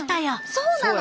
そうなの！